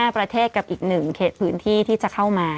๕ประเทศกับอีก๑เขตพื้นที่ที่จะเข้ามา